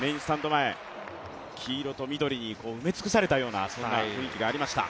前黄色と緑に埋め尽くされたような雰囲気がありました。